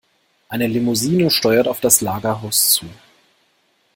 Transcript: Eine Limousine steuert auf das Lagerhaus zu.